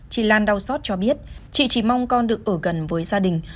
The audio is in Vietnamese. chị lan đau xót cho biết chị chỉ mong con được ở gần với gia đình